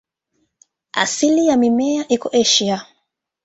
Asili ya mimea iko Asia.